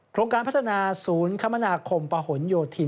การพัฒนาศูนย์คมนาคมปะหนโยธิน